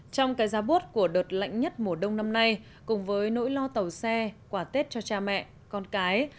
trong cái giá bút của đợt lạnh nhất mùa đông năm nay cùng với nỗi lo tàu xe quả tết cho cha mẹ con cái